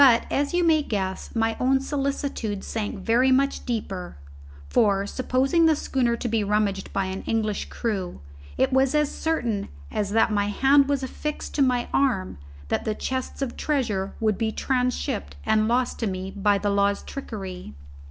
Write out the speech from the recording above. But, as you may guess, my own solicitude sank very much deeper; for, supposing the schooner to be rummaged by an English crew, it was as certain as that my hand was affixed to my arm that the chests of treasure would be transhipped and lost to me by the law's trickery.